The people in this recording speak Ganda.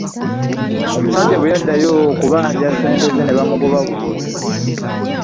Omusajja bwe yaddayo okubanja ssente ze ne bamugoba bugobi.